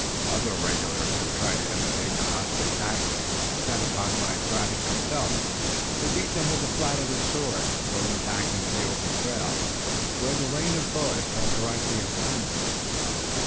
Other regulars who tried to imitate the hostile tactics were set upon by Braddock himself who beat them with the flat of his sword and drove them back into the open trail, where the rain of bullets fell directly upon them.